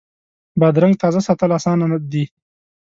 بادرنګ تازه ساتل اسانه دي.